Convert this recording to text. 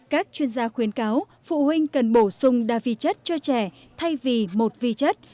các chuyên gia khuyến cáo phụ huynh cần bổ sung đa vi chất cho trẻ thay vì một vi chất